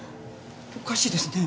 おかしいですね。